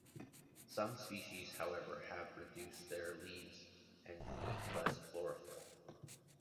Some species, however, have reduced their leaves and need less chlorophyll.